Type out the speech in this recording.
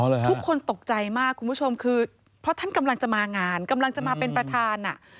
ทุกคนตกใจมากคุณผู้ชมคือเพราะท่านกำลังจะมางานกำลังจะมาเป็นประธานอ่ะ